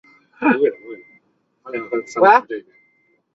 他的任期初期就受到了后来拖延了博福斯丑闻的影响。